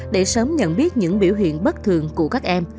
để sớm nhận biết những biểu hiện bất thường của các em